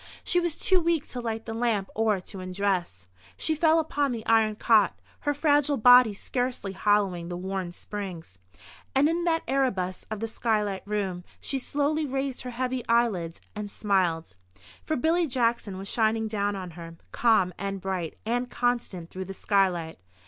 She was too weak to light the lamp or to undress. She fell upon the iron cot, her fragile body scarcely hollowing the worn springs. And in that Erebus of the skylight room, she slowly raised her heavy eyelids, and smiled. For Billy Jackson was shining down on her, calm and bright and constant through the skylight.